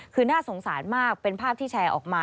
คือน่าสงสารมากเป็นภาพที่แชร์ออกมา